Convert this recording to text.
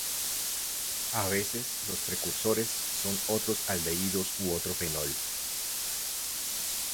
A veces, los precursores son otros aldehídos u otro fenol.